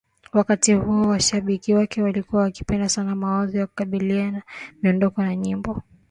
wakati huo Washabiki wake walikuwa wakipenda sana mawazo yake ya kubadili miondoko au nyimbo